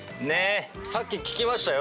さっき聞きましたよ